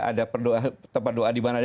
ada tempat doa dimana saja